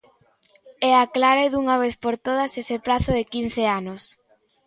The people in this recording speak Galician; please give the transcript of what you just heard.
E aclare dunha vez por todas ese prazo de quince anos.